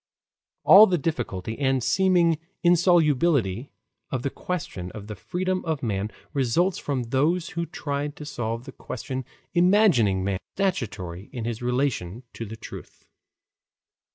All the difficulty and seeming insolubility of the question of the freedom of man results from those who tried to solve the question imagining man as stationary in his relation to the truth.